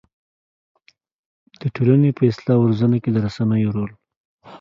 د ټولنې په اصلاح او روزنه کې د رسنيو رول